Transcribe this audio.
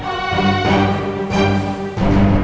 kau sudah pernah menemukan